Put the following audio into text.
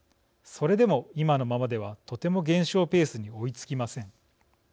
それでも今のままではとても減少ペースに追いつきません。